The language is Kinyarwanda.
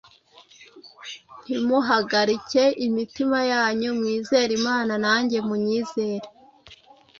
Ntimuhagarike imitima yanyu; mwizere Imana, nanjye munyizere.